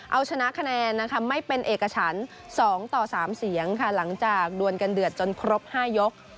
เอาชนะคะแนนนะคะไม่เป็นเอกฉัน๒ต่อ๓เสียงค่ะหลังจากดวนกันเดือดจนครบ๕ยก